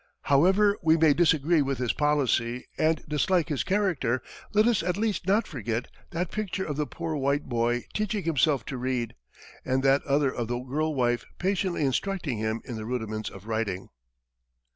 However we may disagree with his policy and dislike his character, let us at least not forget that picture of the "poor white" boy teaching himself to read; and that other of the girl wife patiently instructing him in the rudiments of writing.